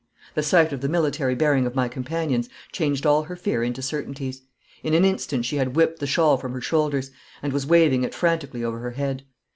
The sight of the military bearing of my companions changed all her fear into certainties. In an instant she had whipped the shawl from her shoulders, and was waving it frantically over her head.